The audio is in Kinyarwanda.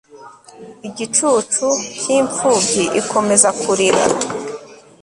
Igicucu cyimfubyi ikomeza kurira